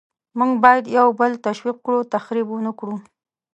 موږ باید یو بل تشویق کړو، تخریب ونکړو.